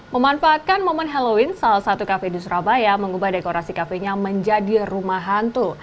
memanfaatkan momen halloween salah satu kafe di surabaya mengubah dekorasi kafenya menjadi rumah hantu